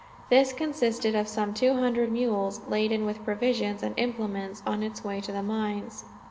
This consisted of some two hundred mules, laden with provisions and implements on its way to the mines.